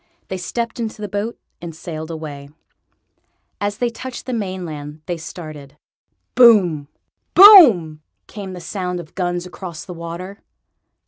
They stepped into the boat and sailed away. As they touched the mainland they started. Boom! boom!! came the sound of guns across the water.